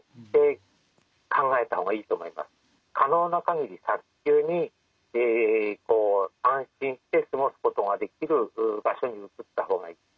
可能な限り早急に安心して過ごすことができる場所に移った方がいい。